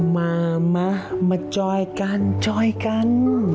มามาจอยกัน